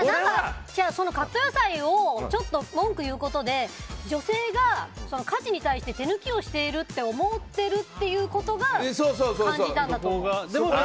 カット野菜をちょっと文句言うことで女性が家事に対して手抜きをしているって思ってるっていうことを感じたんだと思う。